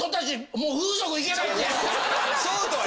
もう風俗行けないってよ。